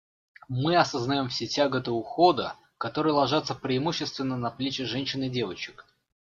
Мы осознаем все тяготы ухода, которые ложатся преимущественно на плечи женщин и девочек.